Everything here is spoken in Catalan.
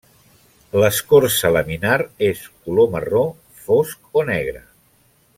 L'escorça laminar és color marró fosc o negre.